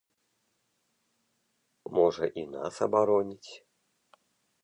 Можа, і нас абароніць.